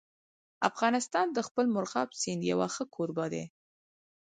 افغانستان د خپل مورغاب سیند یو ښه کوربه دی.